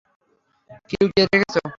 কী লুকিয়ে রেখেছ?